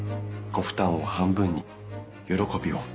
ご負担を半分に喜びを２倍に。